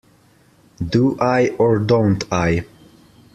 Do I, or don't I?